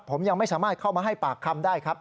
ผมยังไม่สามารถเข้ามาให้ปากคำได้ครับ